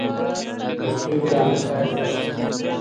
پښتو ګرامر باید زده شي.